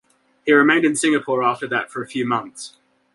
He remained in Singapore after that for a few months.